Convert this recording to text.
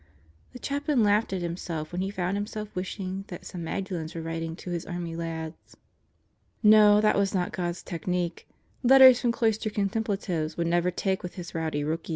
The Chaplain laughed at himself when he found himself wish ing that some Magdalens were writing to his army lads. No, that was not God's technique. Letters from cloistered contemplatives would never take with his rowdy rookies.